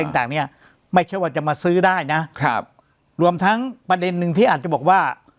ต่างต่างเนี้ยไม่ใช่ว่าจะมาซื้อได้นะครับรวมทั้งประเด็นหนึ่งที่อาจจะบอกว่า